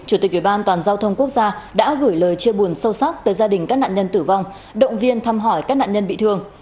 chủ tịch ủy ban an toàn giao thông quốc gia đã gửi lời chia buồn sâu sắc tới gia đình các nạn nhân tử vong động viên thăm hỏi các nạn nhân bị thương